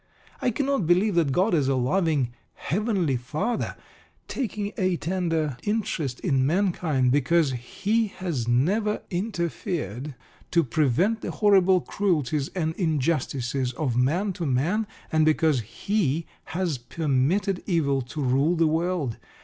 I cannot believe that God is a loving "Heavenly Father," taking a tender interest in mankind. Because He has never interfered to prevent the horrible cruelties and injustices of man to man, and because He has permitted evil to rule the world.